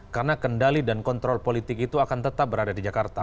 karena kendali dan kontrol politik itu akan tetap berada di jakarta